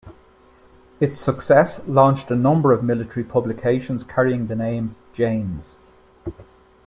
Its success launched a number of military publications carrying the name "Jane's".